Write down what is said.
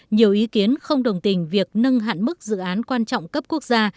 nhiều ý kiến không đồng tình việc nâng hạn mức dự án quan trọng cấp quốc gia